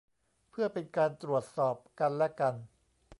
เพื่อเป็นการตรวจสอบกันและกัน